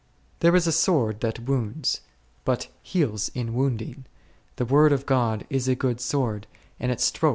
There is a sword that wounds, but heals in wounding. The Word of God is a good sword, and its strokes a Cant.